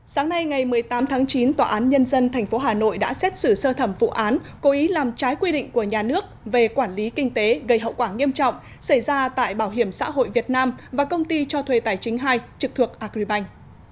sáng nay ngày một mươi tám tháng chín tòa án nhân dân tp hà nội đã xét xử sơ thẩm vụ án cố ý làm trái quy định của nhà nước về quản lý kinh tế gây hậu quả nghiêm trọng xảy ra tại bảo hiểm xã hội việt nam và công ty cho thuê tài chính hai trực thuộc agribank